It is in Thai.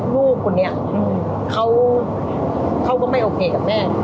ลูกคนนี้เขาก็ไม่โอเคกับแม่